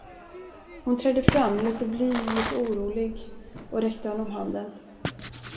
Hon trädde fram, litet blyg, litet orolig, och räckte honom handen.